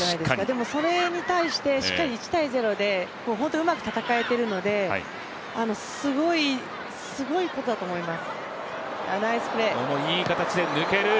でも、それに対してしっかり１−０で本当にうまく戦えているのですごいことだと思います。